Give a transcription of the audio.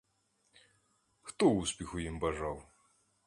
Хто успіху їм бажав?